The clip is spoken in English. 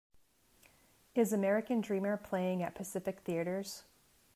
Is American Dreamer playing at Pacific Theatres